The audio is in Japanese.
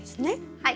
はい。